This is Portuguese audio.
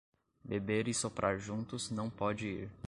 Beber e soprar juntos não pode ir.